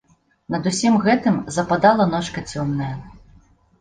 Над усім гэтым западала ночка цёмная.